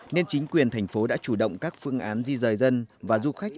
nên chính quyền thành phố đã chủ động các phương án di rời dân và du khách